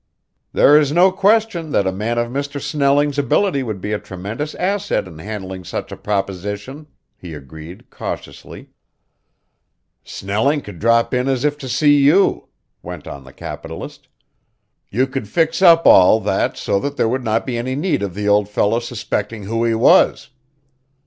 "There is no question that a man of Mr. Snelling's ability would be a tremendous asset in handling such a proposition," he agreed cautiously. "Snelling could drop in as if to see you," went on the capitalist. "You could fix up all that so there would not be any need of the old fellow suspecting who he was.